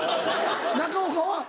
中岡は？